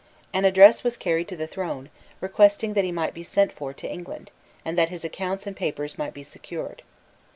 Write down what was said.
An address was carried to the throne, requesting that he might be sent for to England, and that his accounts and papers might be secured.